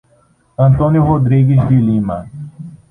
Antônio Rodrigues de Lima